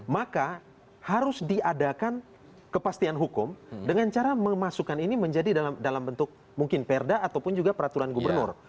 maka harus diadakan kepastian hukum dengan cara memasukkan ini menjadi dalam bentuk mungkin perda ataupun juga peraturan gubernur